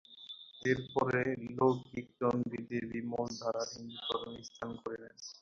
এর ফলে লৌকিক চণ্ডী দেবী মূলধারার হিন্দুধর্মে স্থান করে নেন।